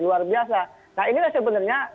luar biasa nah inilah sebenarnya